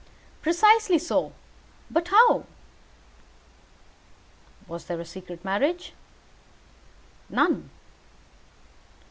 "Precisely so. But how " "Was there a secret marriage?" "None."